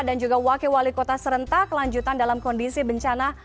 dan juga wakil wali kota serentak kelanjutan dalam kondisi bencana